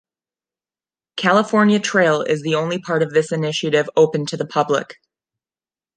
California Trail is the only part of this initiative open to the public.